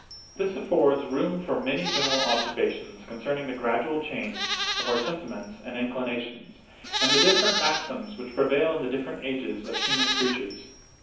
This affords room for many general observations concerning the gradual change of our sentiments and inclinations, and the different maxims which prevail in the different ages of human creatures.